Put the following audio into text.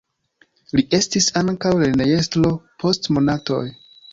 Li estis ankaŭ lernejestro post monatoj.